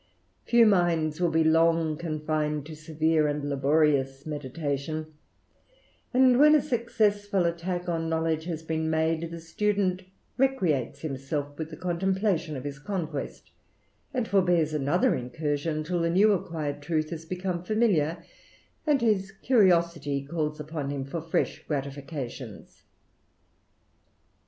Few minds will be long confined to severe and laborious meditation; and when a successful attack on knowledge has been made, the student recreates himself with the contemplation of his conquest, and forbears another incursion, till the new acquired truth has become familiar, and his curiosity calls upon him for fresh gratifications.